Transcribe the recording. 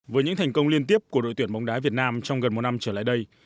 với những thành công liên tiếp của đội tuyển bóng đá việt nam trong gần một năm trở lại đây